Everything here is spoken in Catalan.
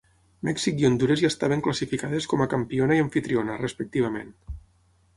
Mèxic i Hondures ja estaven classificades com a campiona i amfitriona, respectivament.